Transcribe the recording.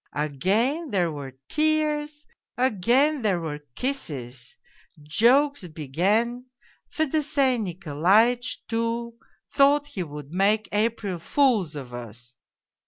Again there were tears, again there were kisses. Jokes began. Fedosey Nikolaitch, too, thought he would make April fools of us.